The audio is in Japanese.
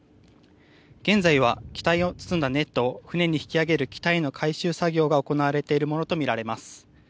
現在は機体を包んだネットを船に引き揚げる機体の回収作業が行われているとみられます。